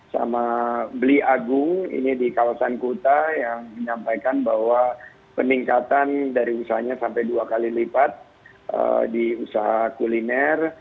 sama beli agung ini di kawasan kuta yang menyampaikan bahwa peningkatan dari usahanya sampai dua kali lipat di usaha kuliner